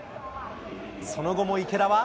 その後も池田は。